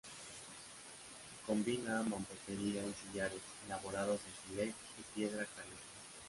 Combina mampostería y sillares, elaborados en sílex y piedra caliza.